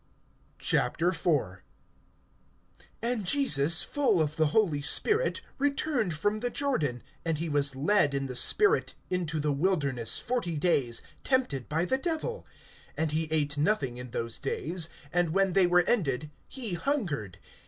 IV. AND Jesus, full of the Holy Spirit, returned from the Jordan; and he was led in the Sprit into the wilderness (2)forty days, tempted by the Devil. And he ate nothing in those days; and when they were ended, he hungered.